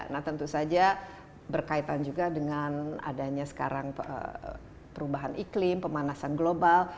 nah tentu saja berkaitan juga dengan adanya sekarang perubahan iklim pemanasan global